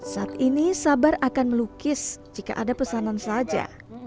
saat ini sabar akan melukis jika ada pesanan saja